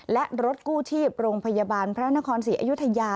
และรถกู้ชีพโรงพยาบาลพระนครศรีอยุธยา